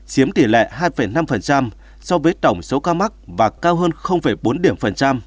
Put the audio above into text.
chiếm tỷ lệ hai năm so với tổng số ca mắc và cao hơn bốn điểm phần trăm